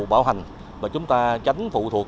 bảo hành và chúng ta tránh phụ thuộc